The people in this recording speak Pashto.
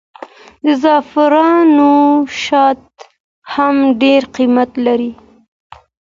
د زعفرانو شات هم ډېر قیمت لري.